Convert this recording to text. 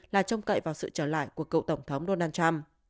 là trông cậy vào sự trở lại của cựu tổng thống donald trump